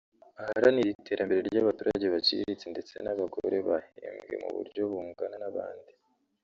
aharanire iterambere ry’abaturage baciriritse ndetse n’abagore bahembwe mu buryo bungana n’abandi